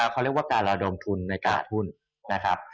เขาเรียกว่าการระดมทุนในการหุ้นนะครับ